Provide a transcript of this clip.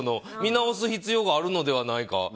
見直す必要があるのではないか。